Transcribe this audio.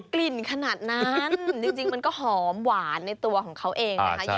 กลิ่นขนาดนั้นจริงมันก็หอมหวานในตัวของเขาเองนะคะ